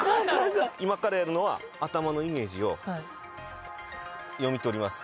今からやるのは頭のイメージを読み取ります。